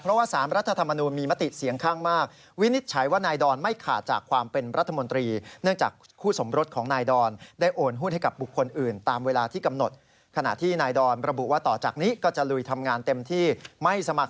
เพราะว่า๓รัฐธรรมนูมีมติเสียงข้างมาก